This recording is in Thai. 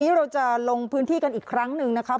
วันนี้เราจะลงพื้นที่กันอีกครั้งหนึ่งนะครับ